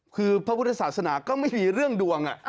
คือพระพุทธศาสนาก็ไม่มีเรื่องดวง